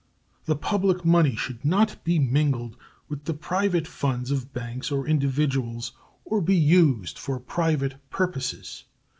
The public money should not be mingled with the private funds of banks or individuals or be used for private purposes.